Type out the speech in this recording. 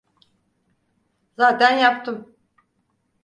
Zaten yaptım.